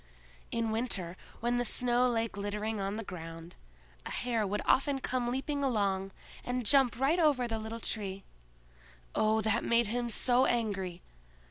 In winter, when the snow lay glittering on the ground, a hare would often come leaping along, and jump right over the little Tree. Oh, that made him so angry!